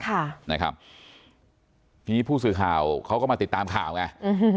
ทีนี้ผู้สื่อข่าวเขาก็มาติดตามข่าวไง